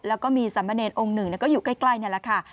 แล้วก็มีสามเณรองค์หนึ่งก็อยู่ใกล้นี่แหละค่ะ